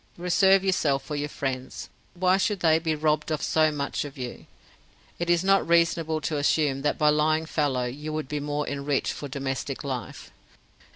Reserve yourself for your friends. Why should they be robbed of so much of you? Is it not reasonable to assume that by lying fallow you would be more enriched for domestic life?